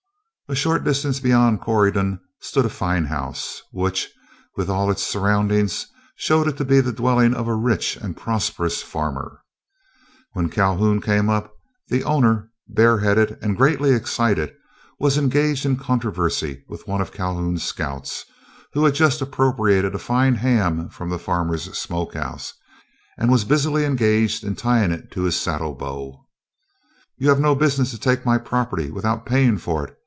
A short distance beyond Corydon stood a fine house, which, with all its surroundings, showed it to be the dwelling of a rich and prosperous farmer. When Calhoun came up, the owner, bareheaded and greatly excited, was engaged in controversy with one of Calhoun's scouts who had just appropriated a fine ham from the farmer's smoke house and was busily engaged in tying it to his saddle bow. "You have no business to take my property without paying for it!"